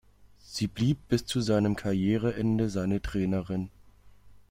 Sie blieb bis zu seinem Karriereende seine Trainerin.